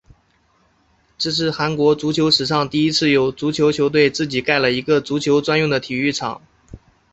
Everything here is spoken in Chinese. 这是韩国足球史上第一次有足球球队自己盖了一个足球专用的体育场。